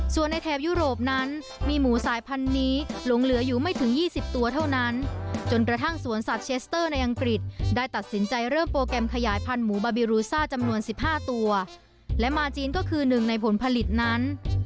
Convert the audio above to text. ส่วนในแถบยุโรปนั้นมีหมูสายพันธุ์นี้หลงเหลืออยู่ไม่ถึง๒๐ตัวเท่านั้นจนกระทั่งสวนสัตว์เชสเตอร์ในอังกฤษได้ตัดสินใจเริ่มโปรแกรมขยายพันธุบาบิรูซ่าจำนวน๑๕ตัวและมาจีนก็คือหนึ่งในผลผลิตนั้น